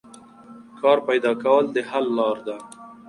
کار پیدا کول د حل لار ده.